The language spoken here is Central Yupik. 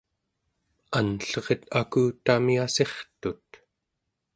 anlleret akutami assirtut